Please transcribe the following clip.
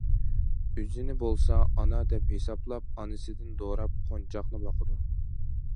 ئۆزىنى بولسا ئانا دەپ ھېسابلاپ، ئانىسىدىن دوراپ، قونچاقنى باقىدۇ.